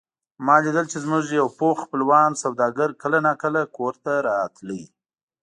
ما لیدل چې زموږ یو پوخ خپلوان سوداګر کله نا کله کور ته راته.